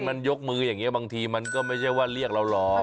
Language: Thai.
มันยกมือบางทีมันก็ไม่ใช่ว่าเรียกเราหรอก